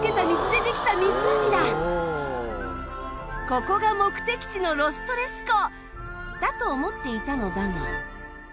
ここが目的地のロス・トレス湖！だと思っていたのだが。